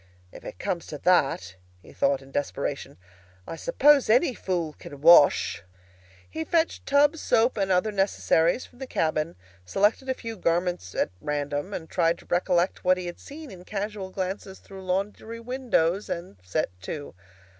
"If it comes to that," he thought in desperation, "I suppose any fool can wash!" He fetched tub, soap, and other necessaries from the cabin, selected a few garments at random, tried to recollect what he had seen in casual glances through laundry windows, and set to.